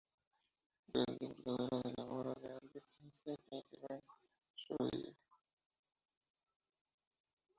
Gran divulgadora de la obra de Albert Einstein y Erwin Schrödinger.